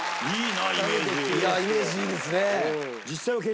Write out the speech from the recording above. いやイメージいいですね。